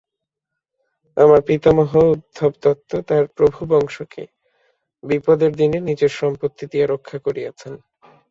আমার পিতামহ উদ্ধব দত্ত তাঁর প্রভুবংশকে বিপদের দিনে নিজের সম্পত্তি দিয়া রক্ষা করিয়াছেন।